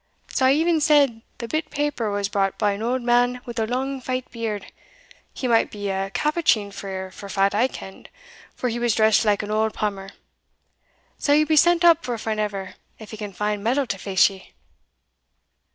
Sae I e'en said the bit paper was brought by an auld man wi' a long fite beard he might be a capeechin freer for fat I ken'd, for he was dressed like an auld palmer. Sae ye'll be sent up for fanever he can find mettle to face ye."